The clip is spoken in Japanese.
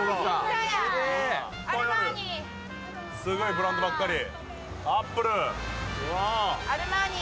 すごいブランドばっかり。